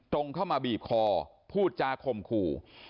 ตรงเข้ามาบีบคอพูดจาคมขู่